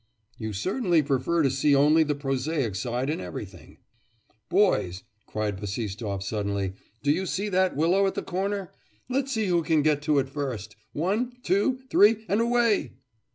'You certainly prefer to see only the prosaic side in everything.' 'Boys!' cried Bassistoff suddenly, 'do you see that willow at the corner? let's see who can get to it first. One! two! three! and away!